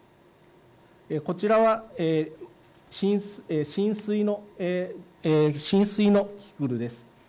こちらは浸水のキキクルです。